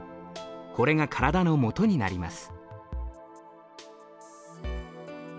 これが体のもとになります